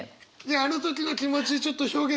あの時の気持ちちょっと表現できそう？